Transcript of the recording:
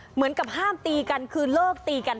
เหมือนกับห้ามตีกันคือเลิกตีกัน